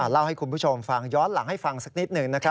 เล่าให้คุณผู้ชมฟังย้อนหลังให้ฟังสักนิดหนึ่ง